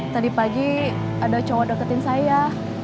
tadi pagi ada cowok deketin saya